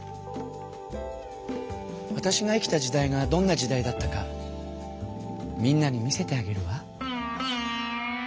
わたしが生きた時代がどんな時代だったかみんなに見せてあげるわ。